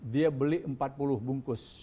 dia beli empat puluh bungkus